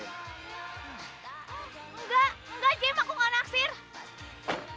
enggak jemmy aku gak naksir